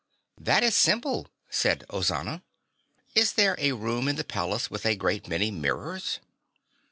"That is simple," said Ozana. "Is there a room in the palace with a great many mirrors?"